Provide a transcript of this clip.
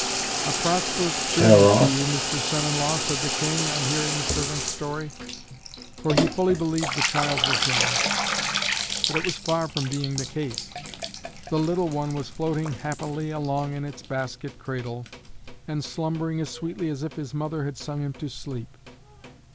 "A prosperous journey to you, Mr. Son in Law," said the King, on hearing the servant's story; for he fully believed the child was drowned. But it was far from being the case; the little one was floating happily along in its basket cradle, and slumbering as sweetly as if his mother had sung him to sleep.